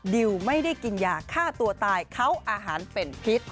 ดิวไม่ได้กินยาฆ่าตัวตายเขาอาหารเป็นพิษ